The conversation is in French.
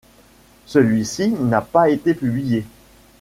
Celui-ci n'a pas été publié.